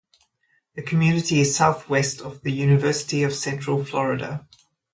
The community is southwest of the University of Central Florida.